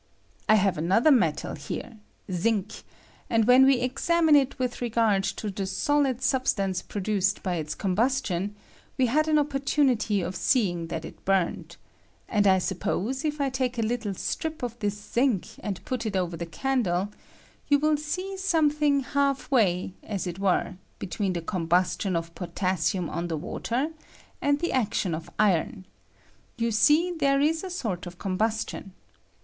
I have another metal here [zinc], and when we examined it with regard to the solid substance produced by its combustion, we had I an opportimity of seeing that it burned; and I suppose, if I take a little strip of this zinc and f put it over the candle, you will see something half way, as it were, between the combustion of potassium ou the water and the action of iron — ^you see there is a sort of combustion.